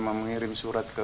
mengirim surat ke